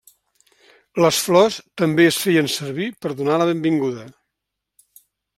Les flors també es feien servir per donar la benvinguda.